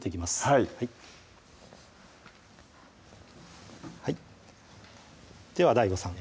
はいではＤＡＩＧＯさん